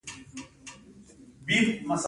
دا د اغوستلو ده.